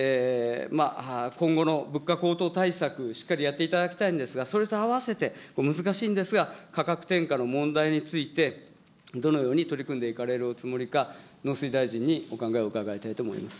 今後の物価高騰対策、しっかりとやっていただきたいんですが、それと併せて、難しいんですが、価格転嫁の問題について、どのように取り組んでいかれるおつもりか、農水大臣にお考えをお伺いいたしたいと思います。